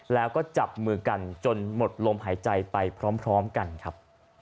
แล้วก็จับมือกันจนหมดลมหายใจไปพร้อมกันครับ